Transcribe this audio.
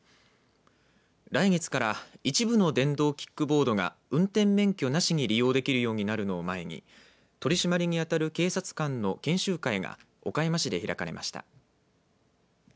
来月から一部の電動キックボードが運転免許なしに利用できるようになるのを前に取り締まりに当たる警察官の研修会が岡山市で開かれました。